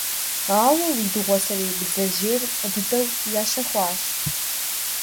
Ауэ уи дыгъуасэрей бдзэжьейр фӀы дыдэу ящэхуащ.